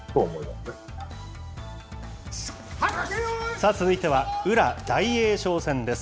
さあ、続いては宇良・大栄翔戦です。